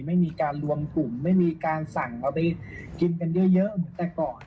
ไม่มีการรวมถุงไม่มีการสั่งเอาไปกินกันเยอะเหมือนแต่ก่อน